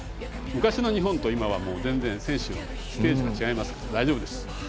昔の日本とは全然、選手のステージが違いますから、大丈夫です。